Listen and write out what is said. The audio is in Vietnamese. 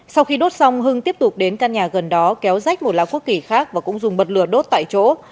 sau khi đốt xong hưng tiếp tục đến căn nhà gần đó kéo rách một lá quốc kỳ khác và cũng dùng bật lửa đốt tại chỗ